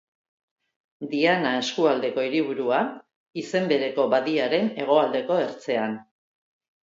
Diana eskualdeko hiriburua, izen bereko badiaren hegoaldeko ertzean.